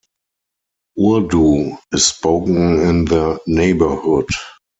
Urdu is spoken in the neighborhood.